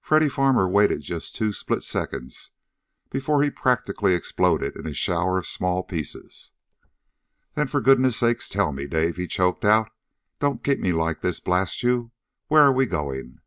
Freddy Farmer waited just two split seconds before he practically exploded in a shower of small pieces. "Then for goodness' sake, tell me, Dave!" he choked out. "Don't keep me like this, blast you! _Where are we going?